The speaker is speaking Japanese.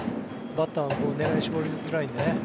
バッターは狙いを絞りづらいんでね。